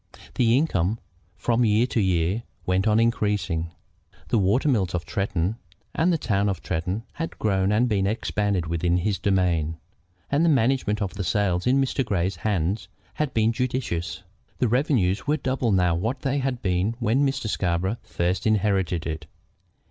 The income from year to year went on increasing. The water mills of Tretton and the town of Tretton had grown and been expanded within his domain, and the management of the sales in Mr. Grey's hands had been judicious. The revenues were double now what they had been when Mr. Scarborough first inherited it.